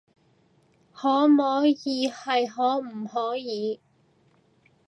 可摸耳係可唔可以